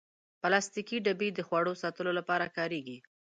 پلاستيکي ډبې د خواړو ساتلو لپاره کارېږي.